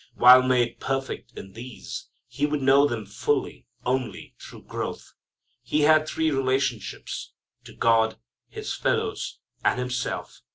While made perfect in these, he would know them fully only through growth. He had three relationships, to God, his fellows, and himself.